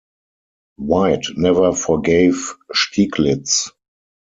White never forgave Stieglitz.